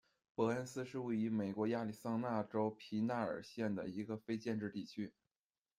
伯恩斯是位于美国亚利桑那州皮纳尔县的一个非建制地区。